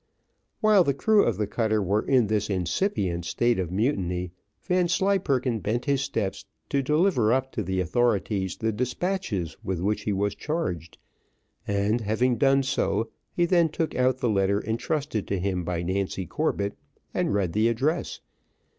While the crew of the cutter were in this incipient state of mutiny, Vanslyperken bent his steps to deliver up to the authorities the despatches with which he was charged; and having so done, he then took out the letter intrusted to him by Nancy Corbett and read the address.